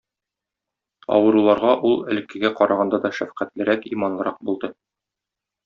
Авыруларга ул элеккегә караганда да шәфкатьлерәк, иманлырак булды.